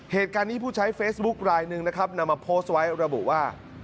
เหตุการณ์นี้ผู้ใช้เฟซบุ๊คลายหนึ่งนะครับนำมาโพสต์ไว้ระบุว่า